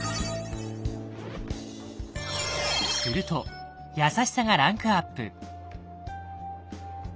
すると「優しさ」がランクアップ。